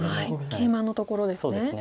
ケイマのところですね。